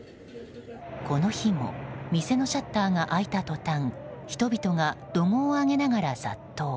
この日も、店のシャッターが開いた途端人々が怒号を上げながら殺到。